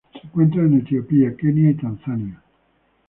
Se encuentra en Etiopía, Kenia y Tanzania.